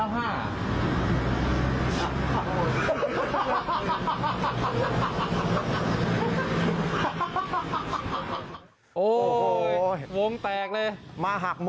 ไม่ต้องกลับแล้ว